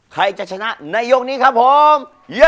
ใครจะชนะในยกนี้ครับผม